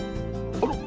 あら！